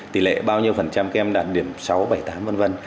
tỷ lệ bao nhiêu phần trăm các em đạt điểm sáu bảy tám vân vân